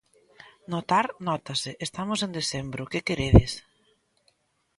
Notar, nótase, estamos en decembro, que queredes?